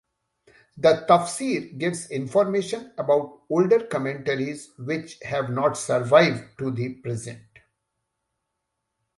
The "Tafsir" gives information about older commentaries which have not survived to the present.